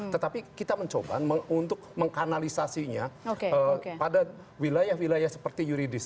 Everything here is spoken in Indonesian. tetapi kita mencoba untuk mengkanalisasinya pada wilayah wilayah seperti yuridis